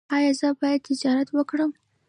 ایا زه باید تجارت وکړم؟